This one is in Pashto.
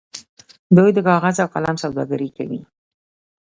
دوی د کاغذ او قلم سوداګري کوي.